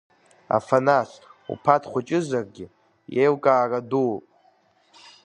Афанас, уԥа дхәыҷызаргьы, иеилкаара дууп.